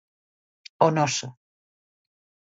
O noso.